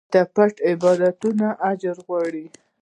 مړه ته د پټ عبادتونو اجر غواړو